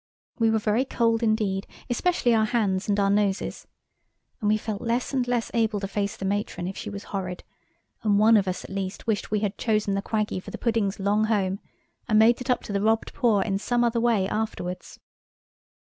We were very cold indeed, especially our hands and our noses. And we felt less and less able to face the Matron if she was horrid, and one of us at least wished we had chosen the Quaggy for the pudding's long home, and made it up to the robbed poor in some other way afterwards.